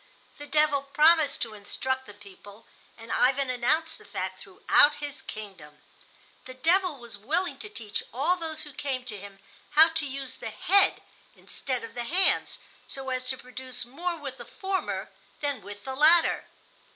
The devil promised to instruct the people, and Ivan announced the fact throughout his kingdom. The devil was willing to teach all those who came to him how to use the head instead of the hands, so as to produce more with the former than with the latter.